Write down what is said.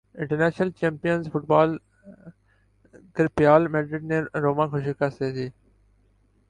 international champions football cup Real Madrid نے روما کو شکست دیدی